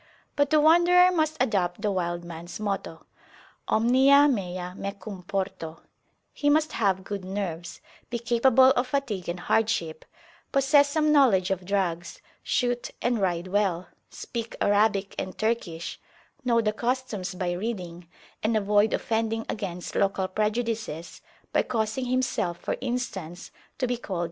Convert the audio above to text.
But the wanderer must adopt the wild mans motto, omnia mea mecum porto; he must have good nerves, be capable of fatigue and hardship, possess some knowledge of drugs, shoot and ride well, speak Arabic and Turkish, know the customs by reading, and avoid offending against local prejudices, by causing himself, for instance, to be called Taggaa.